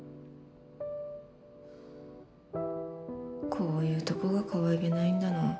こういうとこがかわいげないんだな